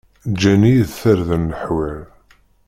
Ǧǧan-iyi-d tarda leḥwal.